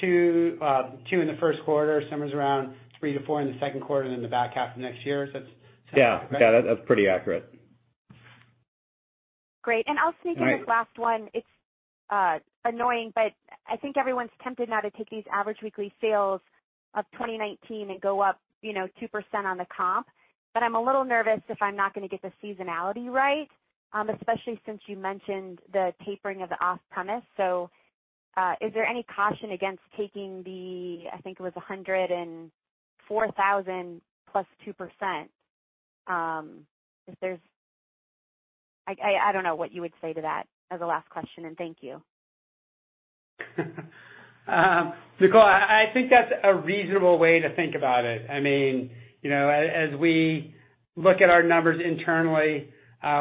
two in the first quarter, somewhere around three to four in the second quarter, then the back half of next year. Does that sound correct? Yeah. That's pretty accurate. Great. I'll sneak in this last one. It's annoying, I think everyone's tempted now to take these average weekly sales of 2019 and go up 2% on the comp. I'm a little nervous if I'm not gonna get the seasonality right, especially since you mentioned the tapering of the off-premise. Is there any caution against taking the, I think it was 104,000 +2%? I don't know what you would say to that as a last question, thank you. Nicole, I think that's a reasonable way to think about it. As we look at our numbers internally,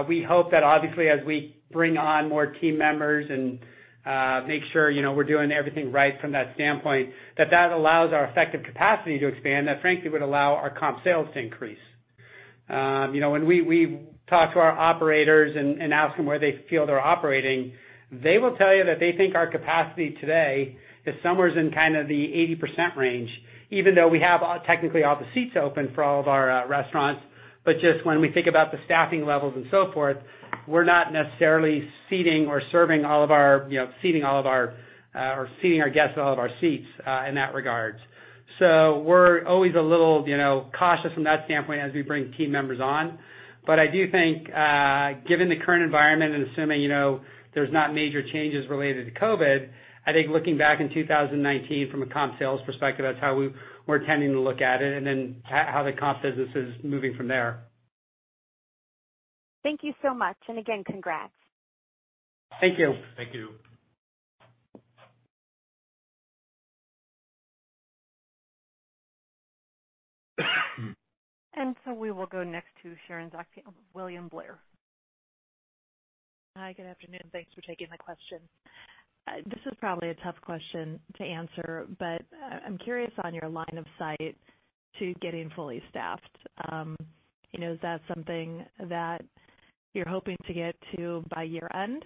we hope that obviously as we bring on more team members and make sure we're doing everything right from that standpoint, that that allows our effective capacity to expand, that frankly would allow our comp sales to increase. When we talk to our operators and ask them where they feel they're operating, they will tell you that they think our capacity today is somewhere in kind of the 80% range, even though we have technically all the seats open for all of our restaurants. Just when we think about the staffing levels and so forth, we're not necessarily seating our guests in all of our seats, in that regards. We're always a little cautious from that standpoint as we bring team members on. I do think, given the current environment and assuming there's not major changes related to COVID, I think looking back in 2019 from a comp sales perspective, that's how we're tending to look at it, and then how the comp business is moving from there. Thank you so much, and again, congrats. Thank you. Thank you. We will go next to Sharon Zackfia, William Blair. Hi, good afternoon. Thanks for taking my question. This is probably a tough question to answer, but I'm curious on your line of sight to getting fully staffed. Is that something that you're hoping to get to by year-end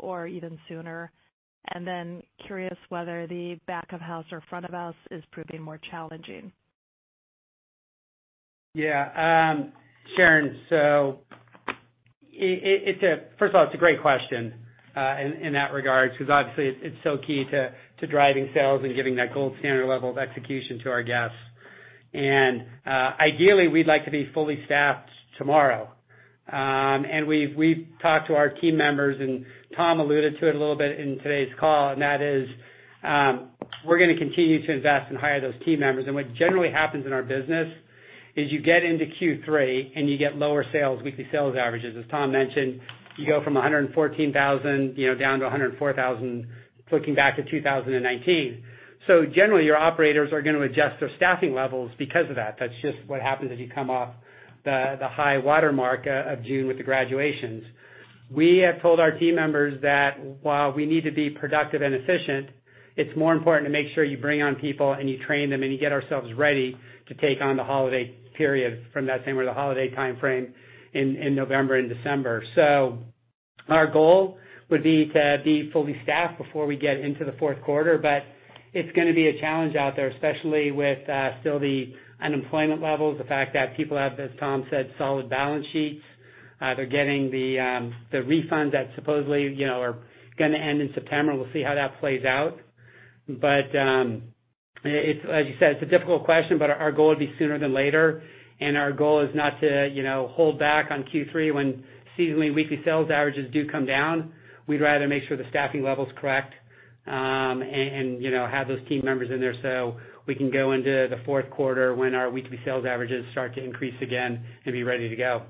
or even sooner? Curious whether the back of house or front of house is proving more challenging? Yeah, Sharon, first of all, it's a great question in that regard because obviously it's so key to driving sales and giving that gold standard level of execution to our guests. Ideally, we'd like to be fully staffed tomorrow. We've talked to our team members, and Tom alluded to it a little bit in today's call, and that is we're going to continue to invest and hire those team members. What generally happens in our business is you get into Q3 and you get lower weekly sales averages. As Tom mentioned, you go from $114,000 down to $104,000 looking back to 2019. Generally, your operators are going to adjust their staffing levels because of that. That's just what happens as you come off the high watermark of June with the graduations. We have told our team members that while we need to be productive and efficient, it's more important to make sure you bring on people and you train them, and you get ourselves ready to take on the holiday period from that same or the holiday timeframe in November and December. Our goal would be to be fully staffed before we get into the fourth quarter, but it's going to be a challenge out there, especially with still the unemployment levels, the fact that people have, as Tom said, solid balance sheets. They're getting the refunds that supposedly are going to end in September. We'll see how that plays out. As you said, it's a difficult question, but our goal would be sooner than later, and our goal is not to hold back on Q3 when seasonally weekly sales averages do come down. We'd rather make sure the staffing level's correct, and have those team members in there so we can go into the fourth quarter when our weekly sales averages start to increase again and be ready to go.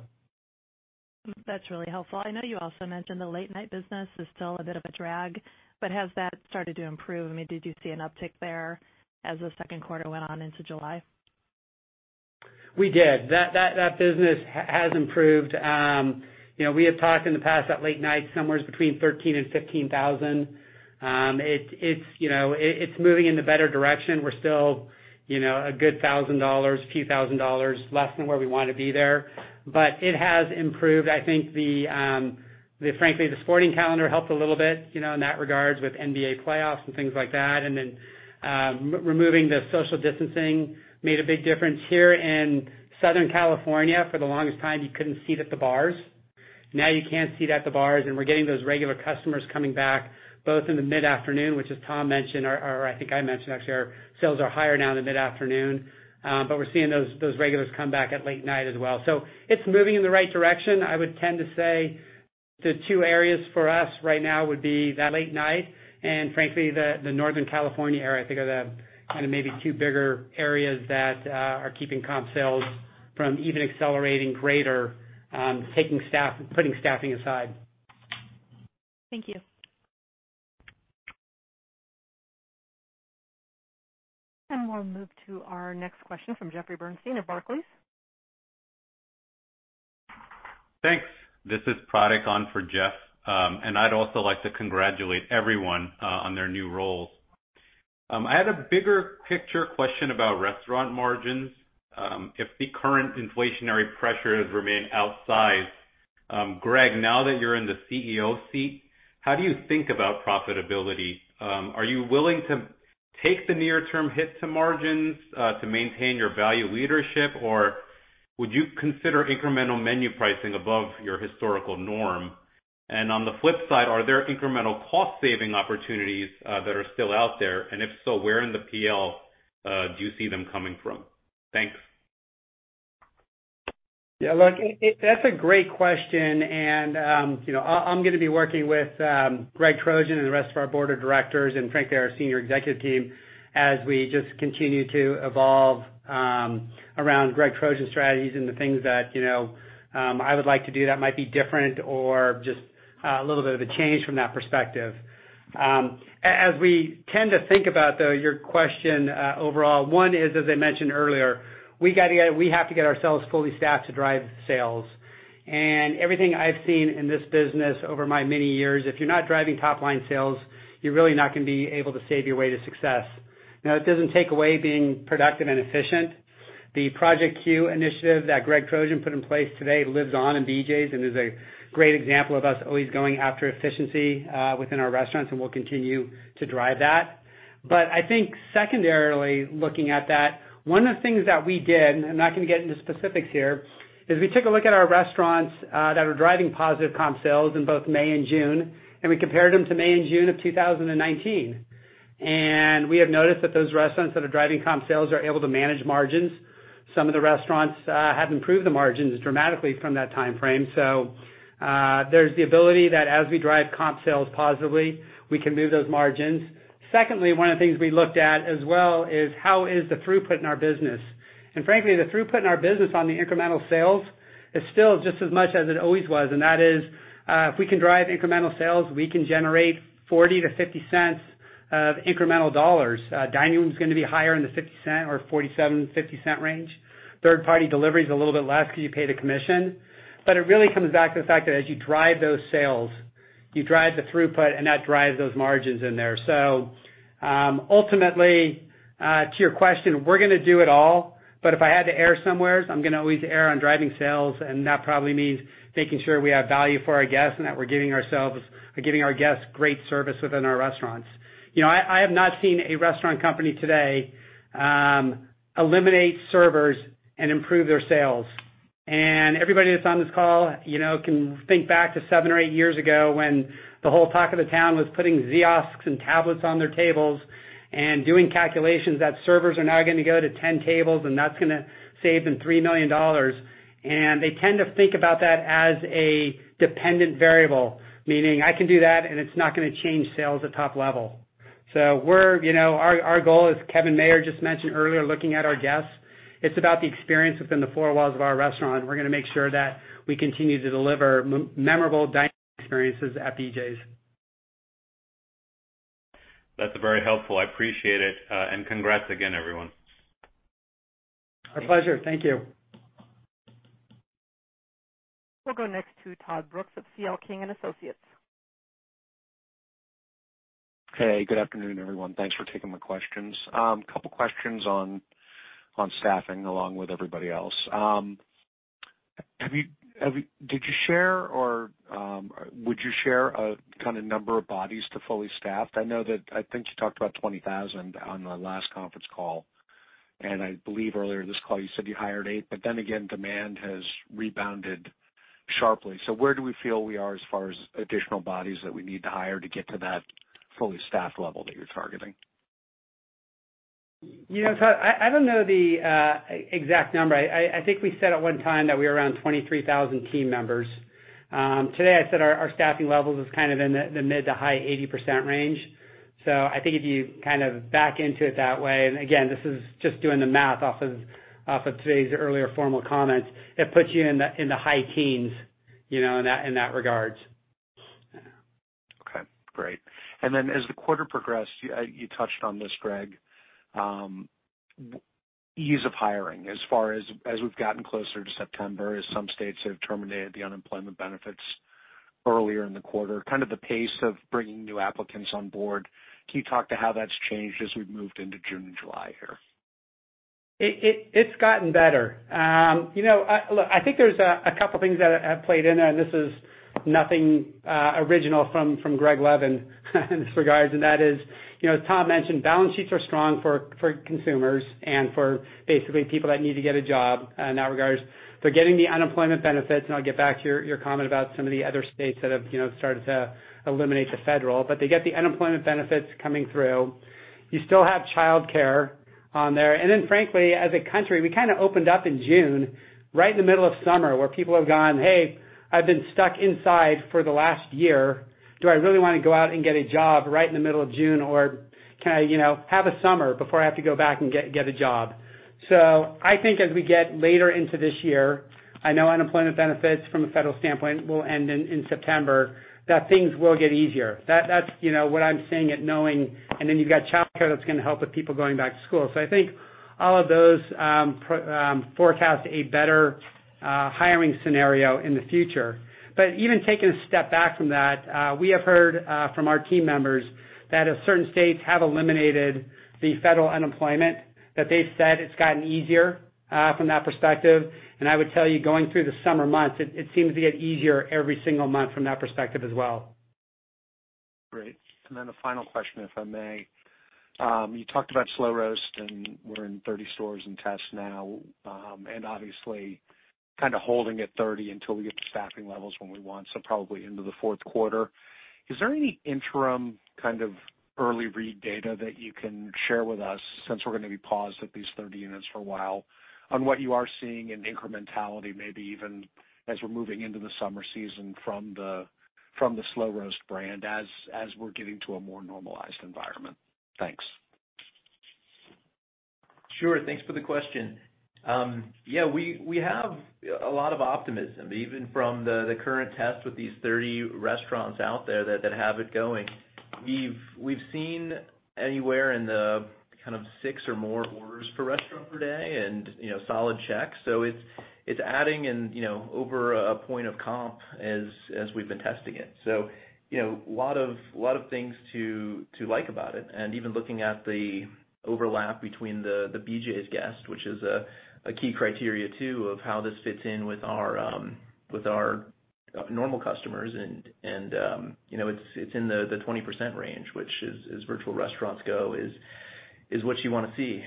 That's really helpful. I know you also mentioned the late-night business is still a bit of a drag, but has that started to improve? I mean, did you see an uptick there as the second quarter went on into July? We did. That business has improved. We had talked in the past that late night somewhere is between $13,000 and $15,000. It's moving in the better direction. We're still a good few thousand dollars less than where we want to be there, but it has improved. I think frankly, the sporting calendar helped a little bit in that regards with NBA playoffs and things like that. Removing the social distancing made a big difference. Here in Southern California, for the longest time, you couldn't seat at the bars. Now you can seat at the bars. We're getting those regular customers coming back both in the mid-afternoon, which as Tom A. Houdek mentioned, or I think I mentioned actually, our sales are higher now in the mid-afternoon. We're seeing those regulars come back at late night as well. It's moving in the right direction. I would tend to say the two areas for us right now would be that late night and frankly, the Northern California area, I think are the maybe two bigger areas that are keeping comp sales from even accelerating greater, putting staffing aside. Thank you. We'll move to our next question from Jeffrey Bernstein of Barclays. Thanks. This is Pratik on for Jeff. I'd also like to congratulate everyone on their new roles. I had a bigger picture question about restaurant margins. If the current inflationary pressures remain outside, Greg Trojan, now that you're in the CEO seat, how do you think about profitability? Are you willing to take the near-term hit to margins to maintain your value leadership, or would you consider incremental menu pricing above your historical norm? On the flip side, are there incremental cost-saving opportunities that are still out there? If so, where in the P&L do you see them coming from? Thanks. Yeah, look, that's a great question. I'm going to be working with Greg Trojan and the rest of our board of directors and frankly, our senior executive team as we just continue to evolve around Greg Trojan's strategies and the things that I would like to do that might be different or just a little bit of a change from that perspective. As we tend to think about, though, your question overall, one is, as I mentioned earlier, we have to get ourselves fully staffed to drive sales. Everything I've seen in this business over my many years, if you're not driving top-line sales, you're really not going to be able to save your way to success. Now, it doesn't take away being productive and efficient. The Project Q initiative that Greg Trojan put in place today lives on in BJ's and is a great example of us always going after efficiency within our restaurants. We'll continue to drive that. I think secondarily looking at that, one of the things that we did, I'm not going to get into specifics here, is we took a look at our restaurants that are driving positive comp sales in both May and June. We compared them to May and June of 2019. We have noticed that those restaurants that are driving comp sales are able to manage margins. Some of the restaurants have improved the margins dramatically from that timeframe. There's the ability that as we drive comp sales positively, we can move those margins. Secondly, one of the things we looked at as well is how is the throughput in our business. Frankly, the throughput in our business on the incremental sales is still just as much as it always was, and that is, if we can drive incremental sales, we can generate $0.40-$0.50 of incremental dollars. Dine-in is going to be higher in the $0.47-$0.50 range. Third-party delivery is a little bit less because you pay the commission. It really comes back to the fact that as you drive those sales, you drive the throughput, and that drives those margins in there. Ultimately, to your question, we're going to do it all. If I had to err somewhere, I'm going to always err on driving sales, and that probably means making sure we have value for our guests and that we're giving our guests great service within our restaurants. I have not seen a restaurant company today eliminate servers and improve their sales. Everybody that's on this call can think back to seven or eight years ago when the whole talk of the town was putting kiosks and tablets on their tables and doing calculations that servers are now going to go to 10 tables, and that's going to save them $3 million. They tend to think about that as a dependent variable, meaning, I can do that, and it's not going to change sales at top level. Our goal, as Kevin Mayer just mentioned earlier, looking at our guests, it's about the experience within the four walls of our restaurant, and we're going to make sure that we continue to deliver memorable dining experiences at BJ's. That's very helpful. I appreciate it. Congrats again, everyone. Our pleasure. Thank you. We'll go next to Todd Brooks of C.L. King & Associates. Hey, good afternoon, everyone. Thanks for taking my questions. Couple questions on staffing along with everybody else. Did you share or would you share a kind of number of bodies to fully staffed? I think you talked about 20,000 on the last conference call, and I believe earlier in this call, you said you hired eight, but then again, demand has rebounded sharply. Where do we feel we are as far as additional bodies that we need to hire to get to that fully staffed level that you're targeting? Todd, I don't know the exact number. I think we said at one time that we were around 23,000 team members. Today, I said our staffing levels is kind of in the mid to high 80% range. I think if you kind of back into it that way, and again, this is just doing the math off of today's earlier formal comments, it puts you in the high teens, in that regard. Okay, great. As the quarter progressed, you touched on this, Greg. Ease of hiring as far as we've gotten closer to September, as some states have terminated the unemployment benefits earlier in the quarter, kind of the pace of bringing new applicants on board, can you talk to how that's changed as we've moved into June and July here? It's gotten better. Look, I think there's a couple things that have played in there. This is nothing original from Greg Levin in this regards. That is, as Tom mentioned, balance sheets are strong for consumers and for basically people that need to get a job in that regards. They're getting the unemployment benefits. I'll get back to your comment about some of the other states that have started to eliminate the federal, but they get the unemployment benefits coming through. You still have childcare on there. Frankly, as a country, we kind of opened up in June, right in the middle of summer, where people have gone, "Hey, I've been stuck inside for the last year. Do I really want to go out and get a job right in the middle of June? Can I have a summer before I have to go back and get a job. I think as we get later into this year, I know unemployment benefits from a federal standpoint will end in September, that things will get easier. That's what I'm saying at knowing, you've got childcare that's going to help with people going back to school. I think all of those forecast a better hiring scenario in the future. Even taking a step back from that, we have heard from our team members that as certain states have eliminated the federal unemployment, that they've said it's gotten easier from that perspective. I would tell you, going through the summer months, it seems to get easier every single month from that perspective as well. Great. The final question, if I may. You talked about Slow Roast, we're in 30 stores in test now. Obviously kind of holding at 30 until we get the staffing levels when we want, so probably into the fourth quarter. Is there any interim kind of early read data that you can share with us, since we're going to be paused at these 30 units for a while, on what you are seeing in incrementality, maybe even as we're moving into the summer season from the Slow Roast brand as we're getting to a more normalized environment? Thanks. Sure. Thanks for the question. We have a lot of optimism, even from the current test with these 30 restaurants out there that have it going. We've seen anywhere in the kind of six or more orders per restaurant per day and solid checks. It's adding in over a point of comp as we've been testing it. A lot of things to like about it. Even looking at the overlap between the BJ's guest, which is a key criteria too of how this fits in with our normal customers, and it's in the 20% range, which as virtual restaurants go is what you want to see.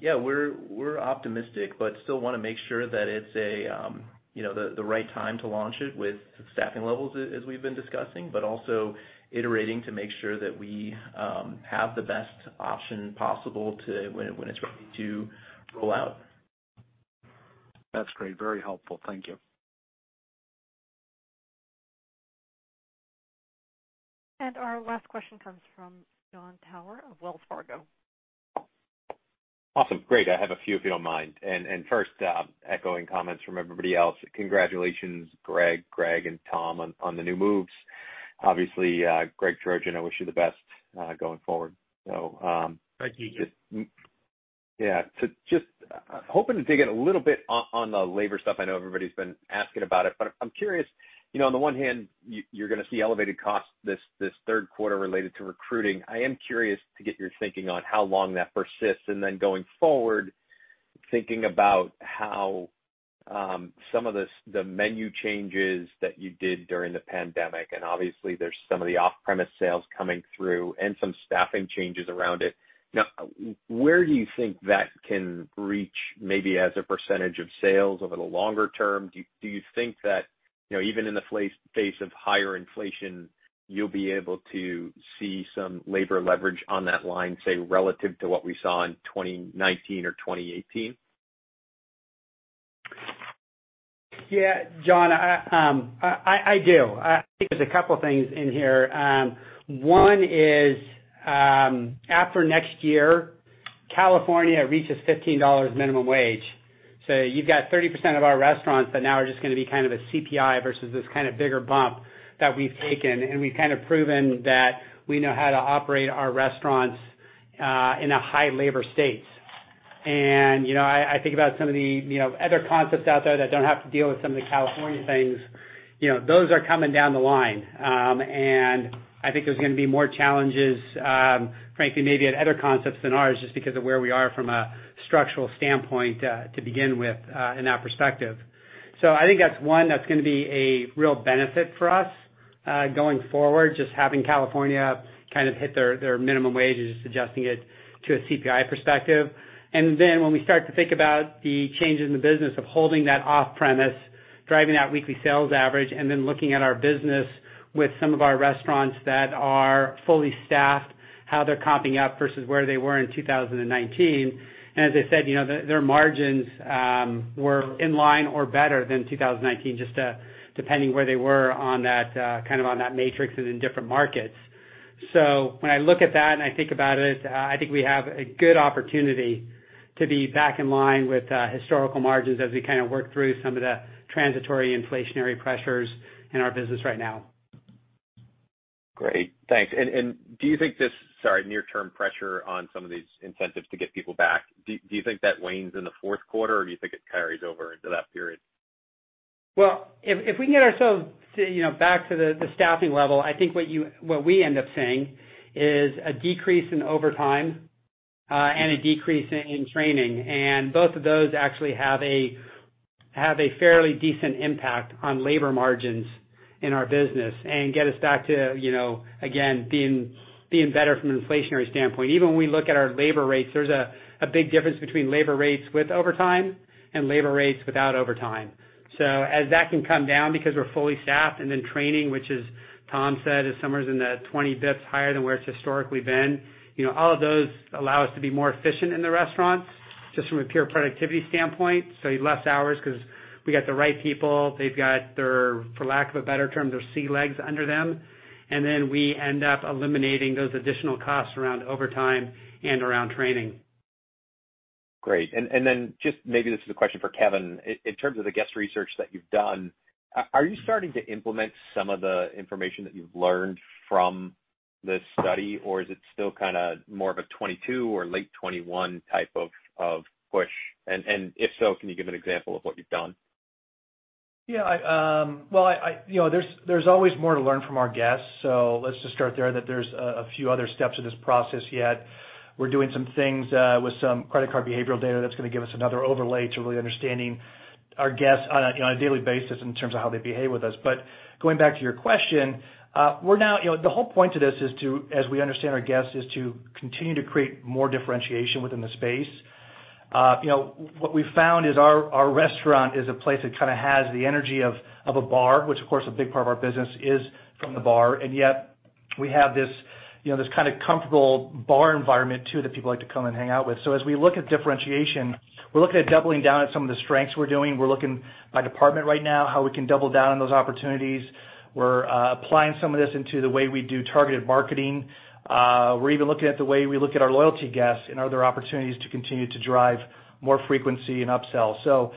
Yeah, we're optimistic but still want to make sure that it's the right time to launch it with staffing levels, as we've been discussing, but also iterating to make sure that we have the best option possible when it's ready to roll out. That's great. Very helpful. Thank you. Our last question comes from Jon Tower of Wells Fargo. Awesome, great. I have a few, if you don't mind. First, echoing comments from everybody else, congratulations, Greg, and Tom, on the new moves. Obviously, Greg Trojan, I wish you the best going forward. Thank you yeah. Just hoping to dig in a little bit on the labor stuff. I know everybody's been asking about it, but I'm curious, on the one hand, you're going to see elevated costs this third quarter related to recruiting. I am curious to get your thinking on how long that persists, and then going forward, thinking about how some of the menu changes that you did during the pandemic, and obviously there's some of the off-premise sales coming through and some staffing changes around it. Where do you think that can reach, maybe as a percentage of sales over the longer term? Do you think that, even in the face of higher inflation, you'll be able to see some labor leverage on that line, say, relative to what we saw in 2019 or 2018? Yeah. Jon, I do. I think there's a couple things in here. One is, after next year, California reaches $15 minimum wage. You've got 30% of our restaurants that now are just going to be kind of a CPI versus this kind of bigger bump that we've taken. We've kind of proven that we know how to operate our restaurants in a high labor state. I think about some of the other concepts out there that don't have to deal with some of the California things. Those are coming down the line. I think there's going to be more challenges, frankly, maybe at other concepts than ours, just because of where we are from a structural standpoint to begin with in that perspective. I think that's one that's going to be a real benefit for us, going forward, just having California kind of hit their minimum wage is adjusting it to a CPI perspective. When we start to think about the change in the business of holding that off-premise, driving that weekly sales average, and then looking at our business with some of our restaurants that are fully staffed, how they're comping up versus where they were in 2019. As I said, their margins were in line or better than 2019, just depending where they were on that matrix and in different markets. When I look at that and I think about it, I think we have a good opportunity to be back in line with historical margins as we kind of work through some of the transitory inflationary pressures in our business right now. Great. Thanks. Do you think this, sorry, near term pressure on some of these incentives to get people back, do you think that wanes in the fourth quarter, or do you think it carries over into that period? Well, if we can get ourselves back to the staffing level, I think what we end up seeing is a decrease in overtime and a decrease in training. Both of those actually have a fairly decent impact on labor margins in our business and get us back to, again, being better from an inflationary standpoint. Even when we look at our labor rates, there's a big difference between labor rates with overtime and labor rates without overtime. As that can come down because we're fully staffed and then training, which as Tom said, is somewhere in the 20 basis points higher than where it's historically been. All of those allow us to be more efficient in the restaurants, just from a pure productivity standpoint. Less hours because we got the right people. They've got their, for lack of a better term, their sea legs under them. We end up eliminating those additional costs around overtime and around training. Great. Just maybe this is a question for Kevin. In terms of the guest research that you've done, are you starting to implement some of the information that you've learned from this study, or is it still kind of more of a 2022 or late 2021 type of push? If so, can you give an example of what you've done? Yeah. Well, there's always more to learn from our guests. Let's just start there, that there's a few other steps in this process yet. We're doing some things with some credit card behavioral data that's going to give us another overlay to really understanding our guests on a daily basis in terms of how they behave with us. Going back to your question, the whole point to this is to, as we understand our guests, is to continue to create more differentiation within the space. What we've found is our restaurant is a place that kind of has the energy of a bar, which of course a big part of our business is from the bar. Yet we have this kind of comfortable bar environment too, that people like to come and hang out with. As we look at differentiation, we're looking at doubling down at some of the strengths we're doing. We're looking by department right now, how we can double down on those opportunities. We're applying some of this into the way we do targeted marketing. We're even looking at the way we look at our loyalty guests and are there opportunities to continue to drive more frequency and upsell.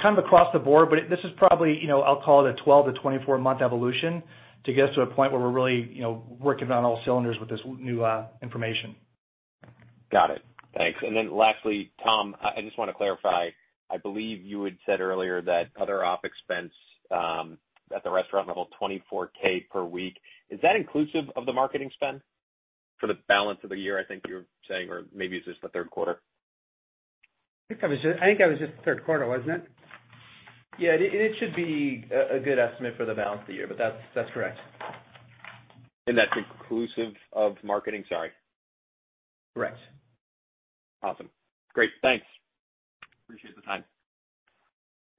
Kind of across the board, but this is probably, I'll call it a 12-24-month evolution to get us to a point where we're really working on all cylinders with this new information. Got it. Thanks. Lastly, Tom, I just want to clarify, I believe you had said earlier that other OpEx at the restaurant level, $24,000 per week. Is that inclusive of the marketing spend for the balance of the year, I think you were saying, or maybe it's just the third quarter? I think that was just the third quarter, wasn't it? Yeah, it should be a good estimate for the balance of the year, but that's correct. That's inclusive of marketing? Sorry. Correct. Awesome. Great. Thanks. Appreciate the time.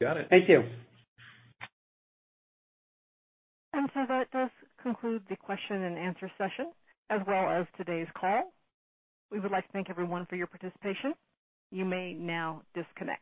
Got it. Thank you. That does conclude the question and answer session as well as today's call. We would like to thank everyone for your participation. You may now disconnect.